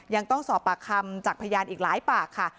ยังต้องสอบปากคำจากพยานอีกหลายปากค่ะ